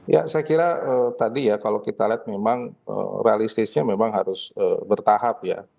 ya saya kira tadi ya kalau kita lihat memang realistisnya memang harus bertahap ya